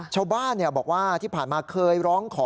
ชาวบ้านบอกว่าที่ผ่านมาเคยร้องขอ